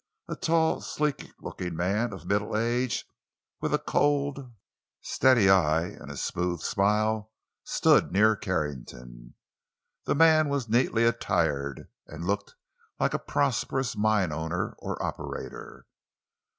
A tall, sleek looking man of middle age, with a cold, steady eye and a smooth smile, stood near Carrington. The man was neatly attired, and looked like a prosperous mine owner or operator.